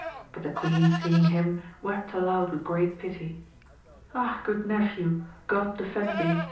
Bi the queen seeing him, wept aloud with great pity Ah, good nephew, God defend thee